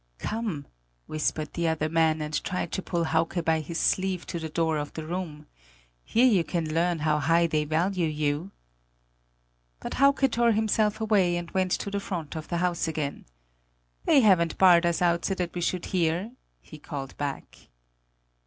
"Come," whispered the other man and tried to pull Hauke by his sleeve to the door of the room, "here you can learn how high they value you." But Hauke tore himself away and went to the front of the house again: "They haven't barred us out so that we should hear," he called back.